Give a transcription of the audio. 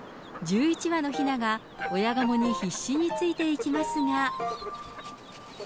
１１羽のひなが親ガモに必死についていきますが。